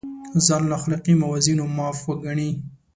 ځان له اخلاقي موازینو معاف وګڼي.